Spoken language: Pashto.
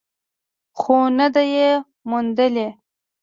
خو نه ده یې موندلې.